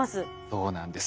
そうなんです。